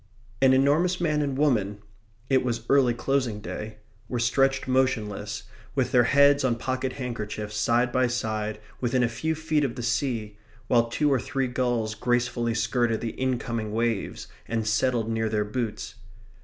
An enormous man and woman (it was early closing day) were stretched motionless, with their heads on pocket handkerchiefs, side by side, within a few feet of the sea, while two or three gulls gracefully skirted the incoming waves, and settled near their boots.